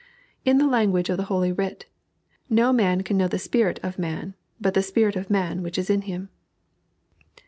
In the language of Holy Writ: "No man can know the spirit of man, but the spirit of man which is in him."